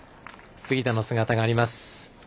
杉田の姿があります。